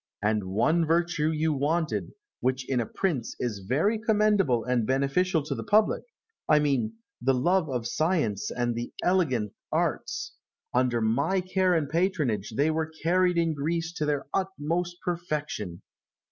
And one virtue you wanted, which in a prince is very commendable and beneficial to the public I mean, the love of science and of the elegant arts. Under my care and patronage they were carried in Greece to their utmost perfection.